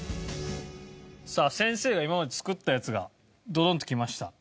さあ先生が今まで作ったやつがドドンと来ました。